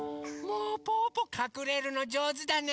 もうぽぅぽかくれるのじょうずだね。